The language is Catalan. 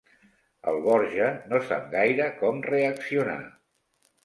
El Borja no sap gaire com reaccionar.